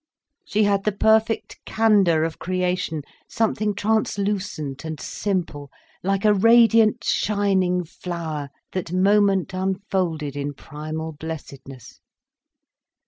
She had the perfect candour of creation, something translucent and simple, like a radiant, shining flower that moment unfolded in primal blessedness.